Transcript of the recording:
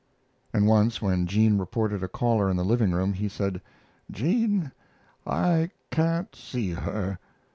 And once, when Jean reported a caller in the livingroom, he said: "Jean, I can't see her.